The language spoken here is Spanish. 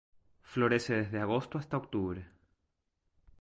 Florece desde agosto hasta octubre.